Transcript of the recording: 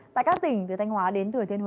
tại các tỉnh từ thanh hóa đến thừa thiên huế